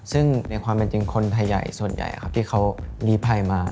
ซึ่งในความเป็นจริงคนไทยส่วนใหญ่ที่เขารีไพรมา